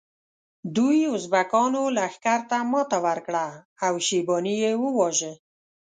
دوی ازبکانو لښکر ته ماته ورکړه او شیباني یې وواژه.